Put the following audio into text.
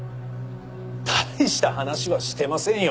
大した話はしてませんよ。